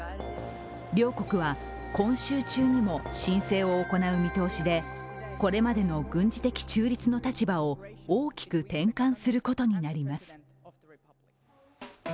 両国は今週中にも申請を行う見通しで、これまでの軍事的中立の立場を大きく転換することになります。